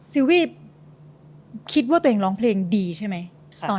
ซีรีส์คิดว่าตัวเองร้องเพลงดีใช่ไหม